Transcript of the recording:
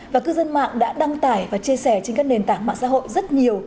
và cư dân mạng đã đăng tải và chia sẻ trên các nền tảng mạng xã hội rất nhiều